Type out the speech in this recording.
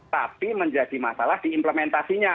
tapi menjadi masalah diimplementasinya